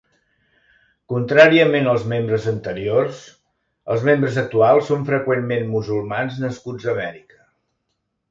Contràriament als membres anteriors, els membres actuals són freqüentment musulmans nascuts a Amèrica.